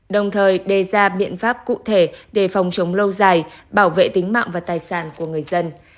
đồng thời đề ra biện pháp cụ thể để phòng chống lâu dài bảo vệ tính mạng và tài sản của người dân